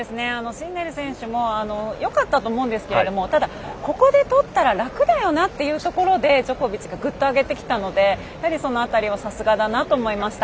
シンネル選手もよかったと思うんですけれどもただ、ここで取ったら楽だよなっていうところでジョコビッチがぐっと上げてきたのでその辺りはさすがだなと思いました。